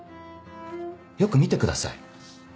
よく見てください。